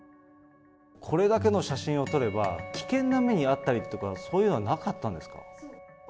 これだけの写真を撮れば、危険な目に遭ったりとか、そういうのはなかったんですか？